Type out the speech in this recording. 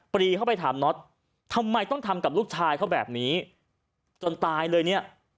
รีเข้าไปถามน็อตทำไมต้องทำกับลูกชายเขาแบบนี้จนตายเลยเนี่ย